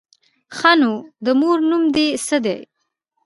_ښه نو، د مور نوم دې څه دی؟